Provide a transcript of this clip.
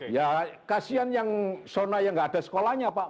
ya kasihan yang sona yang nggak ada sekolahnya pak